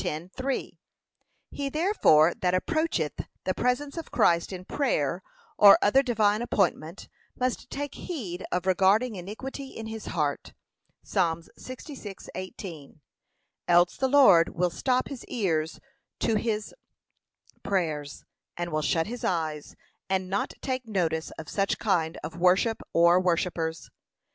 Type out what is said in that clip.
10:3) He therefore that approacheth the presence of Christ in prayer, or any other divine appointment, must take heed of regarding 'iniquity in his heart.' (Psa. 66:18) Else the Lord will stop his ears to his prayers, and will shut his eyes, and not take notice of such kind of worship or worshippers.